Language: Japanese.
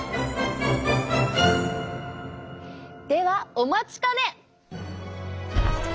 ではお待ちかね！